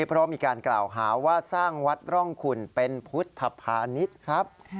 เพราะมีการกล่าวหาว่าสร้างวัดร่องขุนเป็นพุทธภานิษฐ์ครับ